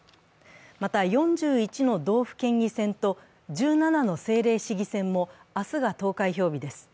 また４１の道府県議選と１７の政令市議選も明日が投開票日です。